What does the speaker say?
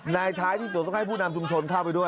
ท้ายที่สุดต้องให้ผู้นำชุมชนเข้าไปด้วย